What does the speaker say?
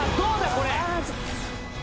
これ。